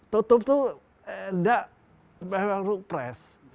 tutup itu enggak memang untuk pres